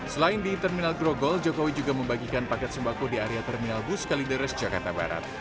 selain di terminal grogol jokowi juga membagikan paket sembako di area terminal bus kalideres jakarta barat